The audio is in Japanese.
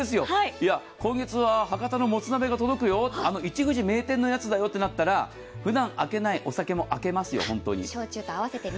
今月は博多のもつ鍋が届くよ、一藤名店のやつだよとなったら、ふだん開けないお酒も開けますよ、本当に。